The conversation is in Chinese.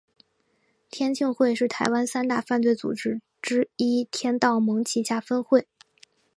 天庆会是台湾三大犯罪组织之一天道盟旗下分会。